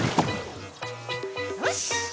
よし！